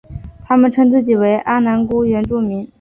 他们称自己为阿男姑原住民。